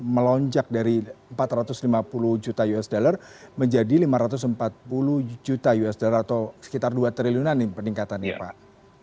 melonjak dari empat ratus lima puluh juta usd menjadi lima ratus empat puluh juta usd atau sekitar dua triliunan peningkatannya pak